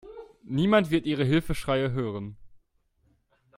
Niemand wird Ihre Hilfeschreie hören.